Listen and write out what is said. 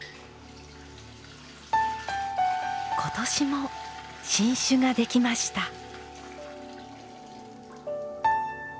今年も新酒ができました。